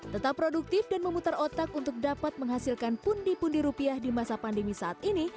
tetap produktif dan memutar otak untuk dapat menghasilkan pundi pundi rupiah di masa pandemi saat ini